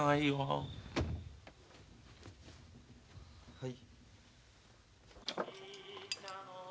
はい。